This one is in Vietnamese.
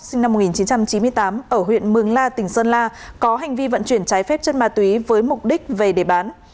sinh năm một nghìn chín trăm chín mươi tám ở huyện mường la tỉnh sơn la có hành vi vận chuyển trái phép chân ma túy với mục đích về để bán